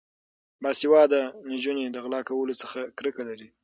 باسواده نجونې د غلا کولو څخه کرکه لري.